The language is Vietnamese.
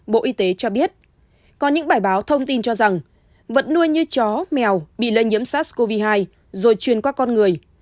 bộ y tế cho biết có những bài báo thông tin cho rằng vật nuôi như chó mèo bị lây nhiễm sars cov hai rồi truyền qua con người